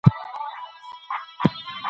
تاسو باید د یوې سالمه ټولنې لپاره بنسټ کېږدئ.